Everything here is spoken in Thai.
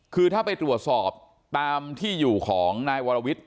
คือถ้าไปตรวจสอบตามที่อยู่ของนายวรวิทย์